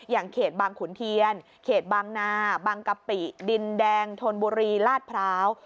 อย่างเขตบางขุนเทียนเขตบางนาบางกะปิดินแดงธนบุรีลาดพร้าว